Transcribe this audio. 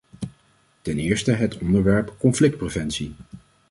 Ten eerste het onderwerp conflictpreventie.